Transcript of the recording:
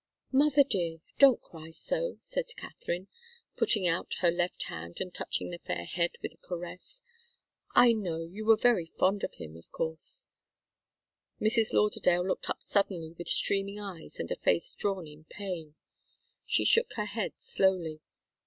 "Mother dear don't cry so!" said Katharine, putting out her left hand and touching the fair head with a caress. "I know you were very fond of him of course " Mrs. Lauderdale looked up suddenly with streaming eyes and a face drawn in pain. She shook her head slowly.